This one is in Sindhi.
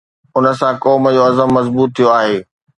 ان سان قوم جو عزم مضبوط ٿيو آهي.